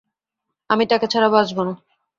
আমি তাকে ছাড়া বাঁচব না।